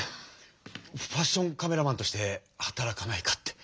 ファッションカメラマンとして働かないかって。